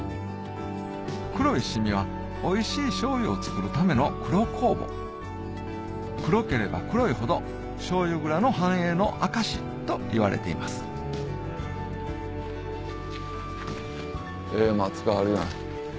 黒い染みはおいしい醤油を造るための黒酵母黒ければ黒いほど醤油蔵の繁栄の証しといわれていますええ松があるやん。